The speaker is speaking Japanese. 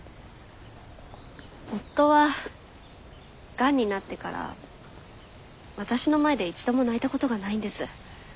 夫はがんになってから私の前で一度も泣いたことがないんです。